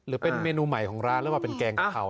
หรือเป็นเมนูใหม่ของร้านแล้วมาเป็นแกงกะเพรา